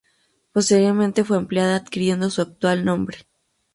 Posteriormente fue ampliada, adquiriendo su actual nombre.